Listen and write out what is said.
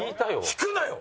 引くなよ！